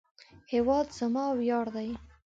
هیواد زما ویاړ دی